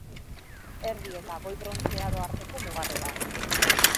Erdi eta Goi Brontze Aro arteko mugarri da.